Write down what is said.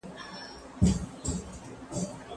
دوی به د غوښتنو د کنټرول لپاره په خپل ځان باندي کار کاوه.